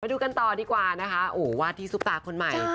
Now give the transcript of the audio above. ดูกันต่อดีกว่านะคะโอ้วาดที่ซุปตาคนใหม่